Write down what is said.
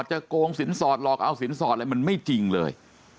โกงสินสอดหลอกเอาสินสอดอะไรมันไม่จริงเลย